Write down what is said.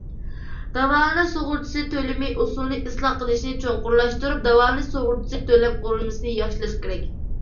داۋالىنىش سۇغۇرتىسى تۆلىمى ئۇسۇلىنى ئىسلاھ قىلىشنى چوڭقۇرلاشتۇرۇپ، داۋالىنىش سۇغۇرتىسى تۆلەم قۇرۇلمىسىنى ياخشىلاش كېرەك.